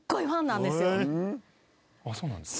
あっそうなんですか？